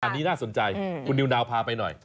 อันนี้น่าสนใจคุณนิวนาวพาไปหน่อย